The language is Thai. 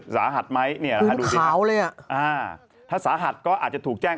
สาหัสไหมหูขาวเลยอ่ะถ้าสาหัสก็อาจจะถูกแจ้ง